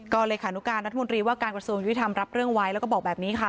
เลขานุการรัฐมนตรีว่าการกระทรวงยุทธรรมรับเรื่องไว้แล้วก็บอกแบบนี้ค่ะ